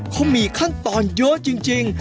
เขามีขั้นตอนเยอะจริง